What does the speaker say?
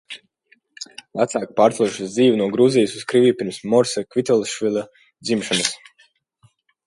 Vecāki pārcēlušies uz dzīvi no Gruzijas uz Krieviju pirms Morisa Kvitelašvili dzimšanas.